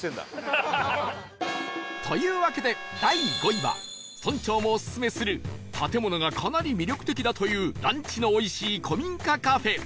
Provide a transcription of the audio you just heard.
というわけで第５位は村長もオススメする建物がかなり魅力的だというランチのおいしい古民家カフェ